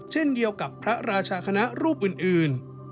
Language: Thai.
เช่นเดียวกับพระราชาคณะรูปอื่น